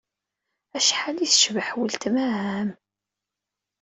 Acḥal ay tecbeḥ weltma-m!